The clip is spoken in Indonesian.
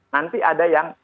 nanti ada yang